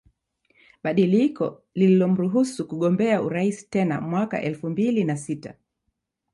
Badiliko lililomruhusu kugombea urais tena mwaka elfu mbili na sita